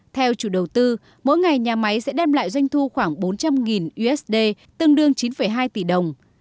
theo chủ đầu tư mỗi ngày nhà máy sẽ đem lại doanh thu khoảng bốn trăm linh usd tương đương chín hai tỷ đồng